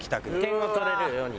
点を取れるように。